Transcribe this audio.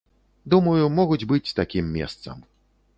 Думаю, могуць быць такім месцам.